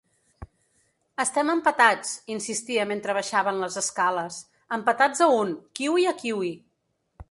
Estem empatats —insistia mentre baixaven les escales—, empatats a un, kiwi a kiwi.